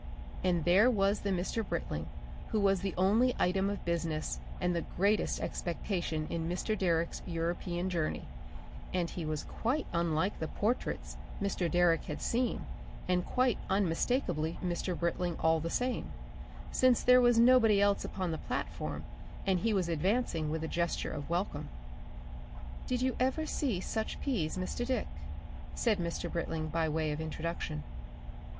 And there was the Mr. Britling who was the only item of business and the greatest expectation in Mr. Direck's European journey, and he was quite unlike the portraits Mr. Direck had seen and quite unmistakably Mr. Britling all the same, since there was nobody else upon the platform, and he was advancing with a gesture of welcome. "Did you ever see such peas, Mr. Dick?" said Mr. Britling by way of introduction.